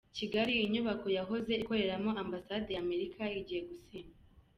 Kigali Inyubako yahoze ikoreramo Ambasade ya Amerika igiye gusenywa